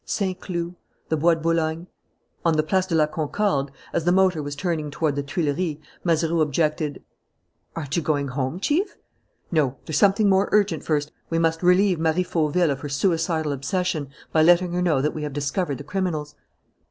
Saint Cloud. The Bois de Boulogne ... On the Place de la Concorde, as the motor was turning toward the Tuileries, Mazeroux objected: "Aren't you going home, Chief?" "No. There's something more urgent first: we must relieve Marie Fauville of her suicidal obsession by letting her know that we have discovered the criminals."